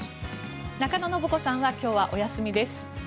中野信子さんは今日はお休みです。